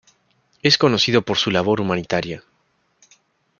Es conocido por su labor humanitaria.